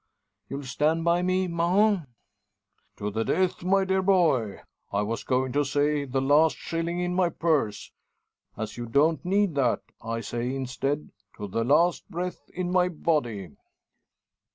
You'll stand by me, Mahon?" "To the death, my dear boy! I was going to say the last shilling in my purse. As you don't need that, I say, instead, to the last breath in my body!"